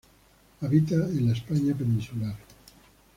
Habita en la España peninsular.